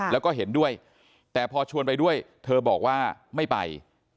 แล้วก็เห็นด้วยแต่พอชวนไปด้วยเธอบอกว่าไม่ไป